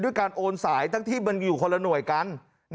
การโอนสายทั้งที่มันอยู่คนละหน่วยกัน